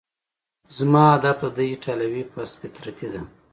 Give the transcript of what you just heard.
زما هدف د ده ایټالوي پست فطرتي ده.